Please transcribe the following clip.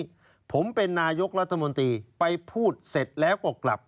วันนี้ผมเป็นนายกรัฐมนตรีไปพูดเสร็จแล้วก็กลับ